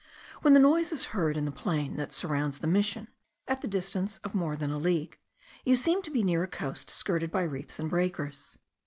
When the noise is heard in the plain that surrounds the mission, at the distance of more than a league, you seem to be near a coast skirted by reefs and breakers.